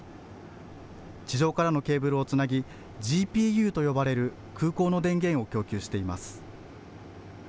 地上からのケーブルをつなぎＧＰＵと呼ばれる空港の電源を供給しています。